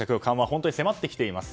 本当に迫ってきています。